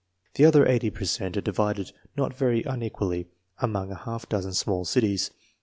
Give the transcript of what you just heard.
The other eighty per cent are divided not very unequally among a half dozen small cities.